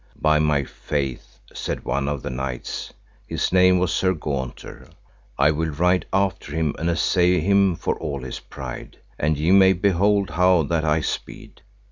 By my faith, said one of the knights, his name was Sir Gaunter, I will ride after him and assay him for all his pride, and ye may behold how that I speed.